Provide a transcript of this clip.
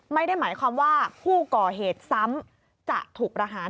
ไม่ได้หมายความว่าผู้ก่อเหตุซ้ำจะถูกประหาร